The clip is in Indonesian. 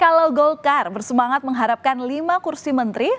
kalau golkar bersemangat mengharapkan lima kursi menteri